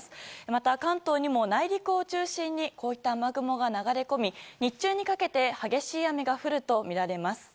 また、関東にも内陸を中心にこういった雨雲が流れ込み日中にかけて激しい雨が降るとみられます。